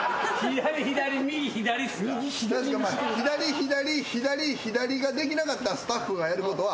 左左左左ができなかったスタッフがやることは。